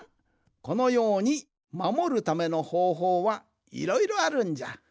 このようにまもるためのほうほうはいろいろあるんじゃ。